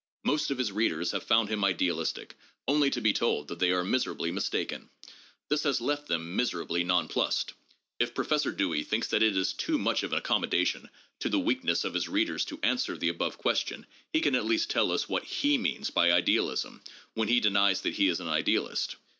Most of his readers have found him idealistic, only to be told that they are miserably mis taken. This has left them miserably nonplussed. If Professor Dewey thinks that it is too much of an accommodation to the weak ness of his readers to answer the above question, he can at least tell us what he means by idealism, when he denies that he is an idealist.